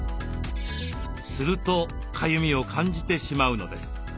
するとかゆみを感じてしまうのです。